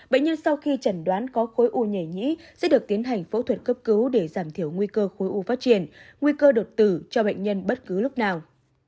bệnh nhân sau khi chẩn đoán có khối u nhảy nhĩ sẽ được tiến hành phẫu thuật cấp cứu để giảm thiểu nguy cơ khối u phát triển nguy cơ đột tử cho bệnh nhân bất cứ lúc nào